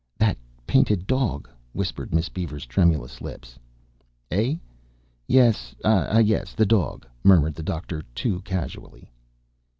"That painted dog?" whispered Miss Beaver's tremulous lips. "Eh? Yes. Ah, yes, the dog," murmured the doctor, too casually.